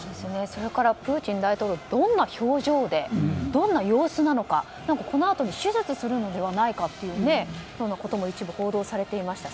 それから、プーチン大統領がどんな表情でどんな様子なのかこのあと手術するのではないかと一部報道されていました。